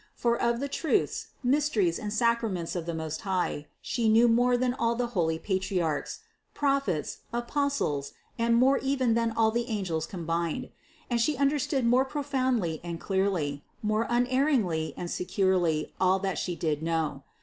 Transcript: For of the truths, mysteries and sacraments of the Most High, She knew more than all the holy Patriarchs, Prophets, Apostles, and more even than all the angels combined; and She understood more pro foundly and clearly, more unerringly and securely all that She did know.